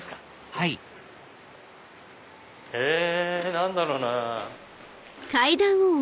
はいえ何だろうなぁ。